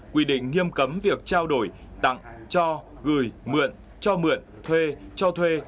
quy định nghiêm cấm việc trao đổi tặng cho gửi mượn cho mượn thuê cho thuê